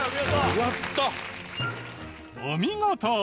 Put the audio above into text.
お見事！